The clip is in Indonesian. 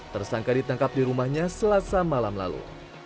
tersangka ditangkap di rumahnya selasa malam lalu